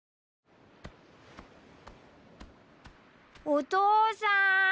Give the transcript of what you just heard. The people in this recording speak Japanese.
お父さん。